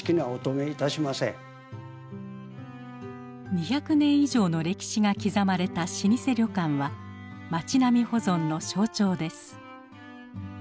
２００年以上の歴史が刻まれた老舗旅館は町並み保存の象徴です。